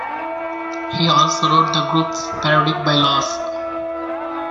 He also wrote the group's parodic by-laws.